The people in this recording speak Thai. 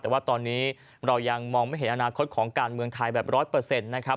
แต่ว่าตอนนี้เรายังมองไม่เห็นอนาคตของการเมืองไทยแบบร้อยเปอร์เซ็นต์นะครับ